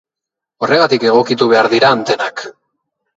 Horregatik egokitu behar dira antenak.